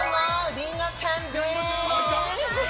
りんごちゃんです！